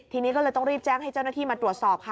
ทีนี้ก็เลยต้องรีบแจ้งให้เจ้าหน้าที่มาตรวจสอบค่ะ